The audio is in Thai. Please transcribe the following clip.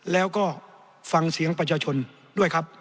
แล้วก็ฟังเสียงประชาชนด้วยครับ